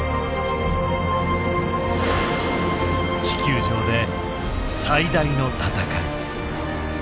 地球上で最大の闘い。